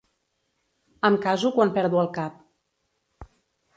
Em caso quan perdo el cap.